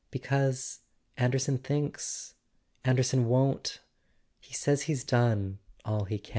"Because Anderson thinks ... Anderson won't ... He says he's done all he can."